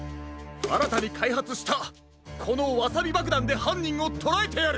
あらたにかいはつしたこのワサビばくだんではんにんをとらえてやる！